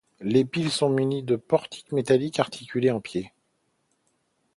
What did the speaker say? Les piles sont munies de portiques métalliques articulés en pied.